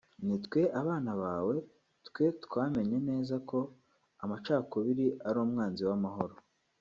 Nitwe abana bawe twe twamenye neza ko amacakubiri ari umwanzi w’amahoro